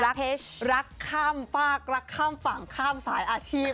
รักข้ามฝากรักข้ามฝั่งข้ามสายอาชีพ